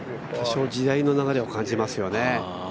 時代の流れを感じますよね。